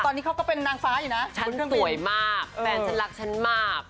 ฉันสวยมากแฟนชั้นรักชั้นมาก